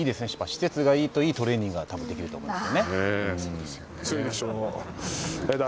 施設がいいといいトレーニングがたぶんできると思います。